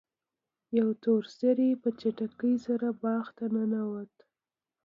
یو تور سیوری په چټکۍ سره باغ ته ننوت.